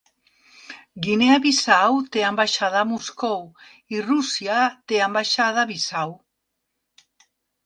Guinea Bissau té ambaixada a Moscou, i Rússia té ambaixada a Bissau.